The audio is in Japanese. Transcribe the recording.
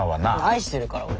愛してるから俺。